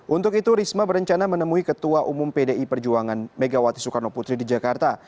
untuk itu risma berencana menemui ketua umum pdi perjuangan megawati soekarno putri di jakarta